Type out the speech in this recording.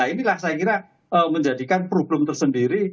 inilah saya kira menjadikan problem tersendiri